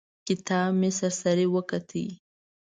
کتاب مې سر سري وکوت.